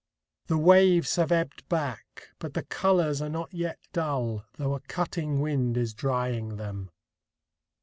The waves have ebbed back ... but the colours are not yet dull, though a cutting wind is drying them.